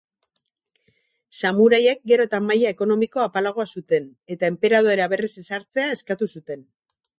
Samuraiek gero eta maila ekonomiko apalagoa zuten eta enperadorea berriz ezartzea eskatu zuten.